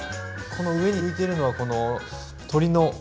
この上に浮いているのはこの鶏の。